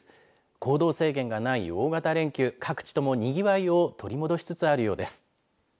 行動制限がない大型連休各地ともにぎわいを取り戻しつつあるようです。